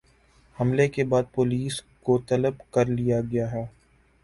حملے کے بعد پولیس کو طلب کر لیا گیا ہے